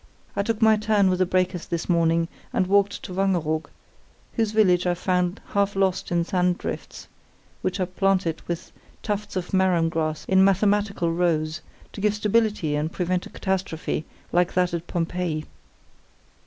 I took my turn with the breakers this morning and walked to Wangeroog, whose village I found half lost in sand drifts, which are planted with tufts of marram grass in mathematical rows, to give stability and prevent a catastrophe like that at Pompeii.